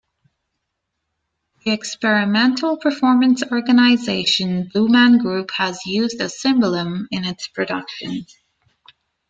The experimental performance organization Blue Man Group has used a cimbalom in its productions.